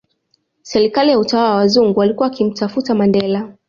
Serikali ya utawala wa wazungu walikuwa wakimtafuta Mandela